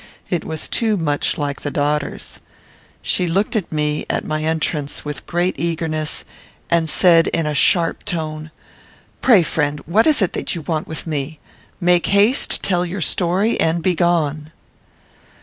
It was too much like the daughter's. She looked at me, at my entrance, with great eagerness, and said, in a sharp tone, "Pray, friend, what is it you want with me? Make haste; tell your story, and begone."